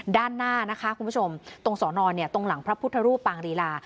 ด้านหน้านะคะคุณผู้ชมตรงสอนอนตรงหลังพระพุทธรูปปางรีลา